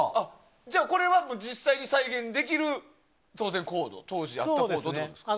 じゃあ、これは実際に再現できる当然、当時あったコードということですか。